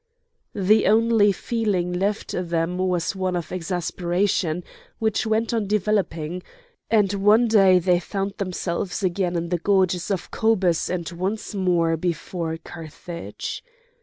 The only feeling left them was one of exasperation, which went on developing; and one day they found themselves again in the gorges of Cobus and once more before Carthage!